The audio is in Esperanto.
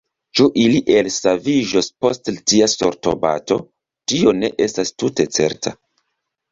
Ĉu ili elsaviĝos post tia sortobato, tio ne estas tute certa.